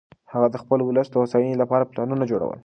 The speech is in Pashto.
هغه د خپل ولس د هوساینې لپاره پلانونه جوړول.